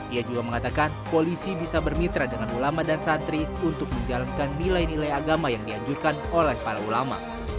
ia juga mengatakan polisi bisa bermitra dengan ulama dan santri untuk menjalankan nilai nilai agama yang dianjurkan oleh para ulama